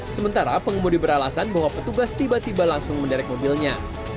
sementara pengemudi beralasan bahwa petugas tiba tiba langsung menderek mobilnya